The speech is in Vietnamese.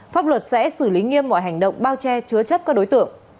pháp luật sẽ xử lý nghiêm mọi hành động bao che chứa chấp các đối tượng